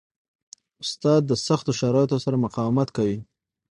استاد د سختو شرایطو سره مقاومت کوي.